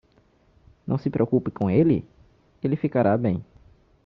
Não se preocupe com ele? ele ficará bem.